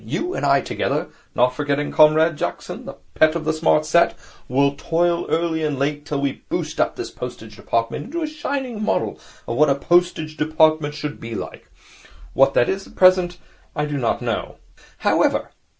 You and I together, not forgetting Comrade Jackson, the pet of the Smart Set, will toil early and late till we boost up this Postage Department into a shining model of what a Postage Department should be. What that is, at present, I do not exactly know. However.